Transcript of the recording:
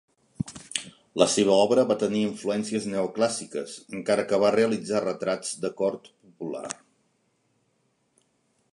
La seva obra va tenir influències neoclàssiques, encara que va realitzar retrats de cort popular.